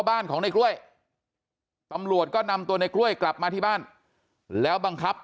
บ้านของในกล้วยตำรวจก็นำตัวในกล้วยกลับมาที่บ้านแล้วบังคับ